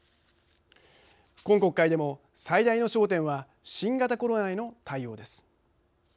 今国会でも最大の焦点は新型コロナへの対応です。